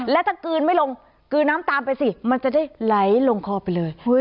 แล้วถ้ากลืนไม่ลงกลืนน้ำตามไปสิมันจะได้ไหลลงคอไปเลย